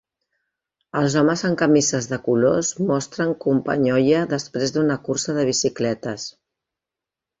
Els homes amb camises de colors mostren companyonia després d'una cursa de bicicletes.